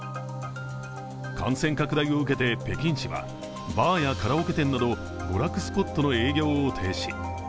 感染拡大を受けて北京市はバーやカラオケ店など娯楽スポットの営業を停止。